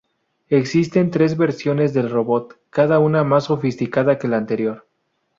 Existen tres versiones del robot, cada una más sofisticada que la anterior.